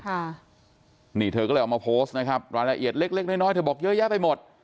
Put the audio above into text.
ค่ะนี่เธอก็เลยเอามาโพสต์นะครับรายละเอียดเล็กเล็กน้อยน้อยเธอบอกเยอะแยะไปหมด